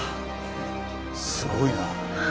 すごいな。